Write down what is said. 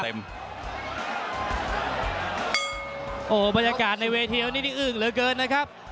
โอ้โหบรรยากาศในเวทีวันนี้นี่อึ้งเหลือเกินนะครับ